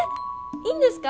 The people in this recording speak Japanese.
いいんですか？